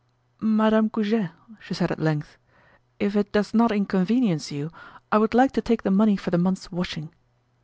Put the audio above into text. "Madame Goujet," she said at length, "if it does not inconvenience you, I would like to take the money for the month's washing."